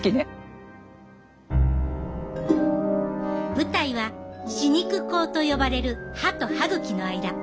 舞台は歯肉溝と呼ばれる歯と歯ぐきの間。